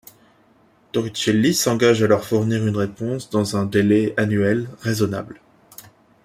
Torricelli s'engage à leur fournir une réponse dans un délai annuel raisonnable.